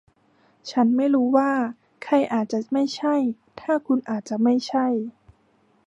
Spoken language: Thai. ฉันไม่รู้ว่าใครอาจจะไม่ใช่ ถ้าคุณอาจจะไม่ใช่